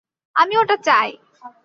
আমি ওটা চাই!